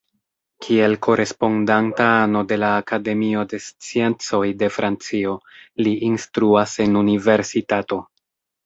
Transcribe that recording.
Kiel korespondanta ano de la Akademio de Sciencoj de Francio, li instruas en universitato.